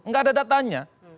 enggak ada datanya